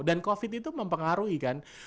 dan covid itu mempengaruhi kan